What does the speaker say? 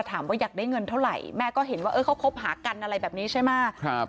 อยากได้เงินเท่าไหร่แม่ก็เห็นว่าเออเขาคบหากันอะไรแบบนี้ใช่ไหม